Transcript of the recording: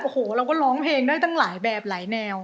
โอ้โหเราก็ร้องเพลงได้ตั้งหลายแบบหลายแนว